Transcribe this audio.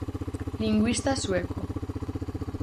Lingüista sueco.